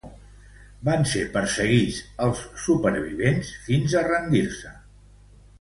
Van ser perseguits els supervivents fins a rendir-se.